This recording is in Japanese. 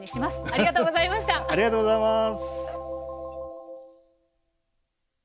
ありがとうございます。